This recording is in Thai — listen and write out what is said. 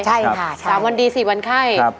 ใช่ค่ะ๓วันดี๔วันไข้